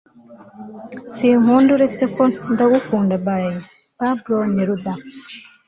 sinkunda uretse ko ndagukunda by pablo neruda